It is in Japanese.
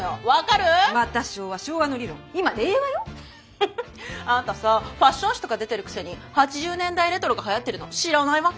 フフッあんたさファッション誌とか出てるくせに８０年代レトロがはやってるの知らないわけ？